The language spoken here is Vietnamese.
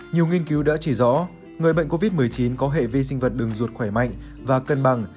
nhiều nghiên cứu đã chỉ rõ người bệnh covid một mươi chín có hệ vi sinh vật đường ruột khỏe mạnh và cân bằng